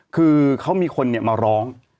คือเขามีคนมาร้อง